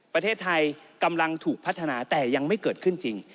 ประเทศไทยกำลังถูกพัฒนาแต่ยังไม่เกิดขึ้นจริง